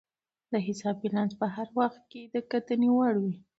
د حساب بیلانس په هر وخت کې د کتنې وړ وي.